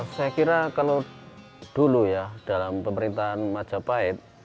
saya kira kalau dulu ya dalam pemerintahan majapahit